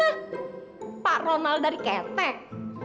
pak ronald dari ketek